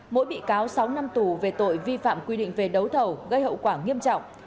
mỗi bị cáo sáu năm tù về tội vi phạm quy định về đấu thầu gây hậu quả nghiêm trọng